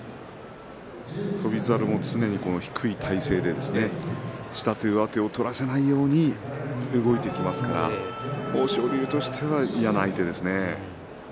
翔猿も常に低い体勢で下手上手を取らせないように動いていきますからね豊昇龍としては嫌な相手ですね。